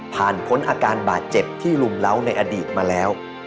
พ้นอาการบาดเจ็บที่ลุมเล้าในอดีตมาแล้ว